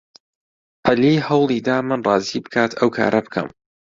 عەلی هەوڵی دا من ڕازی بکات ئەو کارە بکەم.